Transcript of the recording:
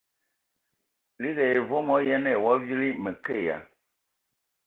Liigi hm e vom o ayǝan ai wa vili. Mǝ ke ya !